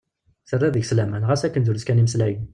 Terra deg-s laman ɣas akken drus kan i mmeslayen.